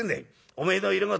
おめえの色事